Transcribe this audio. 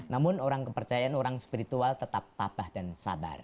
namun orang kepercayaan orang spiritual tetap tabah dan sabar